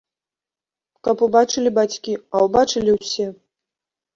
Каб убачылі бацькі, а ўбачылі ўсе.